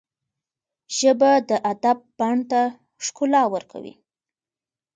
ژبه د ادب بڼ ته ښکلا ورکوي